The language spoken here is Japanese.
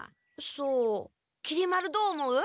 そうきり丸どう思う？